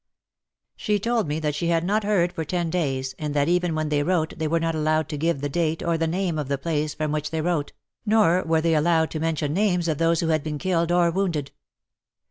She told me that she had not heard for ten days, and that even when they wrote they were not allowed to give the date or the name of the place from which they wrote, nor were they allowed to mention names of those who had been killed or wounded.